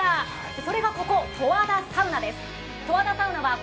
それがここ、十和田サウナです。